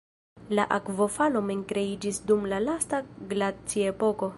La akvofalo mem kreiĝis dum la lasta glaciepoko.